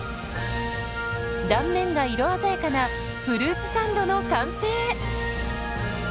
断面が色鮮やかなフルーツサンドの完成。